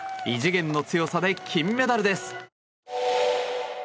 異次元の強さで金メダルです。